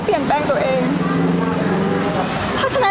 พี่ตอบได้แค่นี้จริงค่ะ